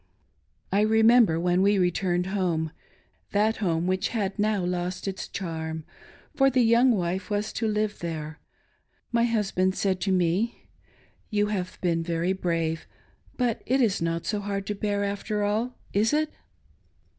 I remember when we returned home — that home which had now lost its charm, for the young wife was to live there — my husband said to me :" You have been very brave, but it is not so hard to bear, after all, is it.'"